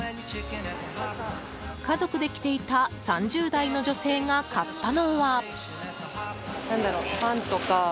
家族で来ていた３０代の女性が買ったのは。